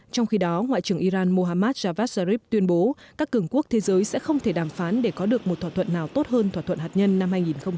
trong khi đó ngoại trưởng iran mohammad javad zarif tuyên bố các cường quốc thế giới sẽ không thể đàm phán để có được một thỏa thuận nào tốt hơn thỏa thuận hạt nhân năm hai nghìn một mươi năm